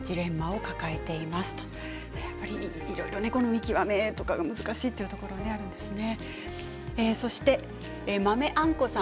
見極めが難しいというところがあるんですね。